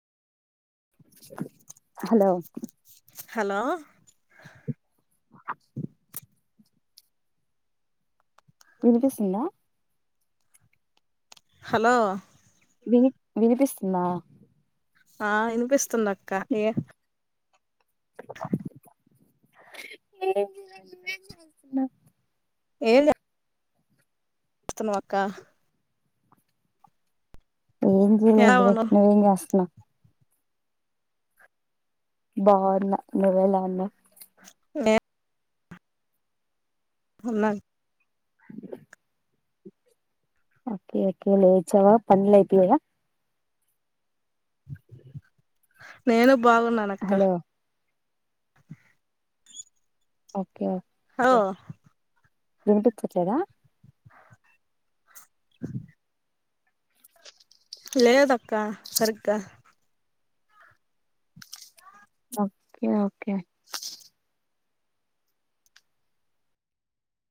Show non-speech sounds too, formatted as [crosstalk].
hello hello [inaudible] వినిపిస్తుందా hello విని వినిపిస్తుందా ఆ వినిపిస్తుంది అక్క ఏ [inaudible] ఏ [unintelligible] ఏంచె త్తనవ్ అక్క ఏం ఎలా చేయలేదులే ఉన్నావ్ నువ్వెంచేస్తన్నా బావున్నా నువ్వెలా ఉన్నావ్ నే ఉన్నాన్ [inaudible] ఓకే ఒకే లేచవా పన్లు అయిపోయాయ [unintelligible] నేనూ బాగున్నానక్క హలో ఓ వినిపిచట్లేదా [inaudible] లేదక్కా సరిగ్గా ఓక్కే ఓకే